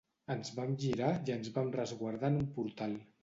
Ens vam girar i ens vam resguardar en un portal.